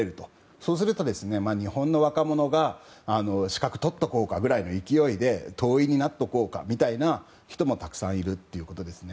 そうすると、日本の若者が資格を取っておこうかぐらいの勢いで、党員になっておこうかみたいな人もたくさんいるということですね。